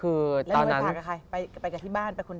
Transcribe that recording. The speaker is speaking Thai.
แล้วอยู่ไปผ่ากับใครไปกับที่บ้านไปคนเดียว